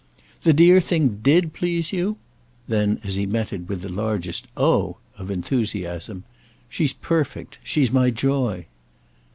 "The dear thing did please you?" Then as he met it with the largest "Oh!" of enthusiasm: "She's perfect. She's my joy."